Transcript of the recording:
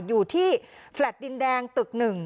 อยู่ที่แฟลต์ดินแดงตึก๑